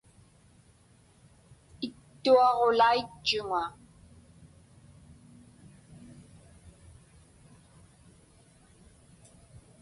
Ittuaġulaitchuŋa.